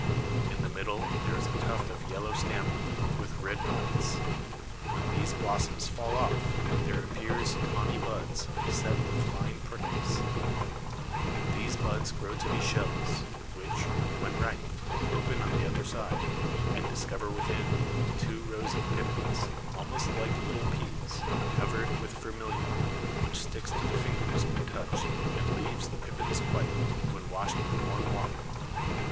In the middle, there is a Tuft of yellow Stamina with red Points; when these Blossoms fall off, there appears tawny Buds, beset with fine Prickles: These Buds grow to be Shells, which, when ripe, open on the upper side, and discover within, two Rows of Pippins, almost like little Peas, cover'd with Vermilion, which sticks to the Fingers, when touch'd, and leaves the Pippins quite, when wash'd with warm Water.